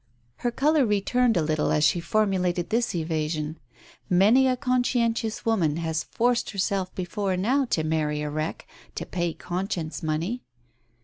Her colour returned a little as she formulated this evasion. ... Many a conscientious woman has forced herself before now to marry a wreck, to pay conscience money.